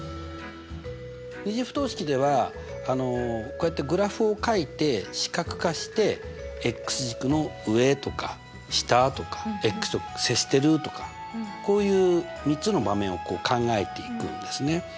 ２次不等式ではこうやってグラフをかいて視覚化して軸の上とか下とかと接してるとかこういう３つの場面を考えていくんですね。